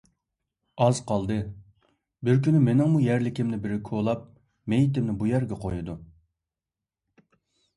ئاز قالدى، بىر كۈنى مېنىڭمۇ يەرلىكىمنى بىرى كولاپ، مېيىتىمنى بۇ يەرگە قويىدۇ.